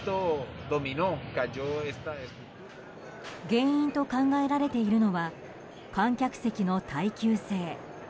原因と考えられているのは観客席の耐久性。